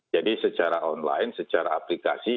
secara online secara aplikasi